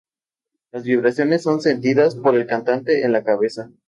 Las vibraciones son sentidas por el cantante "en la cabeza".